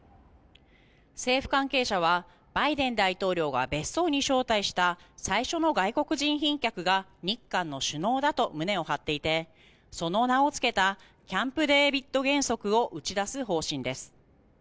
政府関係者はバイデン大統領が別荘に招待した最初の外国人賓客が日韓の首脳だと胸を張っていてその名をつけたキャンプデービッド原則を打ち出す方針です。